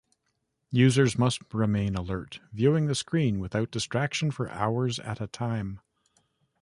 Users must remain alert, viewing the screen without distraction for hours at a time.